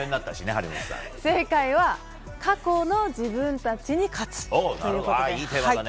正解は過去の自分たちに勝つということです。